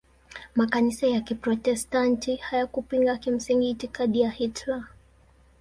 Makanisa ya Kiprotestanti hayakupinga kimsingi itikadi ya Hitler.